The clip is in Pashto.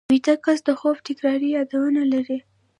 ویده کس د خوب تکراري یادونه لري